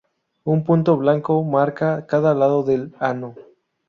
Un punto blanco marca cada lado del ano.